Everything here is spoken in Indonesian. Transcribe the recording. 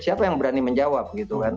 siapa yang berani menjawab gitu kan